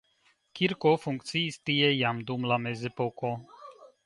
Kirko funkciis tie jam dum la mezepoko.